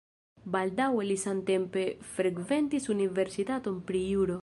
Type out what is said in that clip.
Baldaŭe li samtempe frekventis universitaton pri juro.